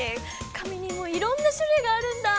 紙にもいろんな種類があるんだ。